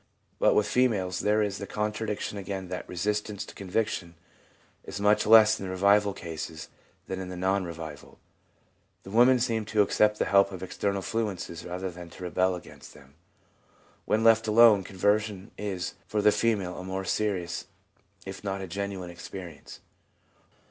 But with females there is the con tradiction again that resistance to conviction is much EXPERIENCES PRECEDING CONVERSION 69 less in the revival cases than in the non revival. The women seem to accept the help of external influences rather than to rebel against them. When left alone, conversion is for the female a more serious, if not a more genuine experience.